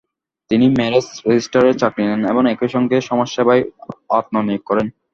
তিনি ম্যারেজ রেজিস্ট্রারের চাকরি নেন এবং একই সঙ্গে সমাজসেবায় আত্মনিয়োগ করেন।